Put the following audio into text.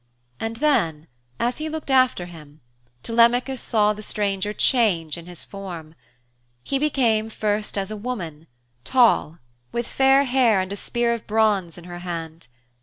And then, as he looked after him Telemachus saw the stranger change in his form. He became first as a woman, tall, with fair hair and a spear of bronze in her hand.